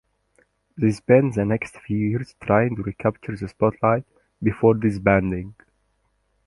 They spent the next few years trying to recapture the spotlight, before disbanding.